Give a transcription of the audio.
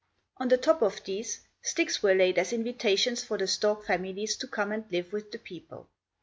On the top of these sticks were laid as invitations for the stork families to come and live with the people.